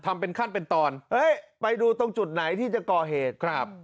ทำเป็นขั้นไปดูตรงจุดไหนที่จะก่อเหตุ